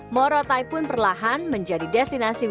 morotai pun perlahan menjadi destinasi wisata kelas dua